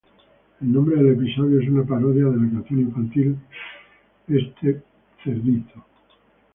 El nombre del episodio es una parodia a la canción infantil This Little Piggy.